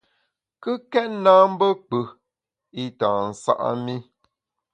Kùkèt na mbe kpù i tâ nsa’ mi.